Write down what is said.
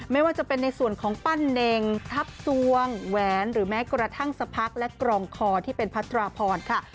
ไม่ว่าจะเป็นในส่วนของปั้นเน่งทัพสวงแหวนหรือแม้กระทั่งสะพักและกรองคอที่เป็นพัทราพรค่ะ